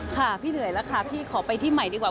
ค่ะพี่เหนื่อยแล้วค่ะพี่ขอไปที่ใหม่ดีกว่า